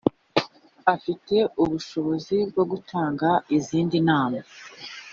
afite n’ubushobozi bwo gutanga izindi nama